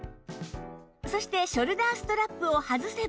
そしてショルダーストラップを外せば